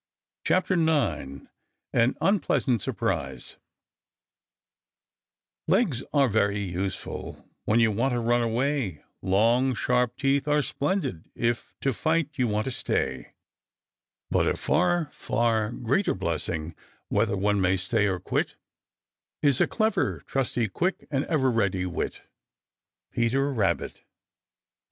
CHAPTER IX AN UNPLEASANT SURPRISE Legs are very useful when you want to run away; Long, sharp teeth are splendid if to fight you want to stay; But a far, far greater blessing, whether one may stay or quit, Is a clever, trusty, quick and ever ready wit. Peter Rabbit.